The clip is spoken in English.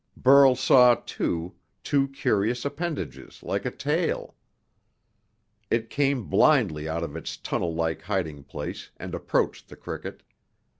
Burl saw, too, two curious appendages like a tail. It came nimbly out of its tunnel like hiding place and approached the cricket.